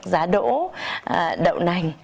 giá đỗ đậu nành